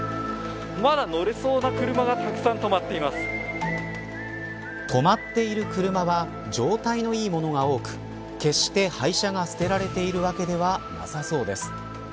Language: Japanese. まだ乗れそうな車が止まっている車は状態のいいものが多く決して廃車が捨てられているわけではなさそうです。